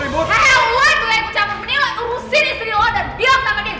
hee lo itu yang ikut campur penila urusin istri lo dan bilang sama dia